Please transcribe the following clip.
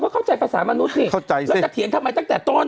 เข้าใจภาษามนุษย์แล้วจะเถียงทำไมตั้งแต่ต้น